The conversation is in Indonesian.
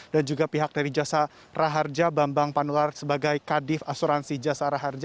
dan juga pihak dari jasa raharja bambang pandular sebagai kadif asuransi jasa raharja